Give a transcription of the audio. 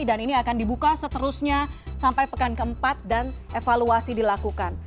dan ini akan dibuka seterusnya sampai pekan keempat dan evaluasi dilakukan